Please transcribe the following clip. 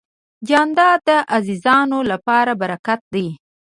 جانداد د عزیزانو لپاره برکت دی.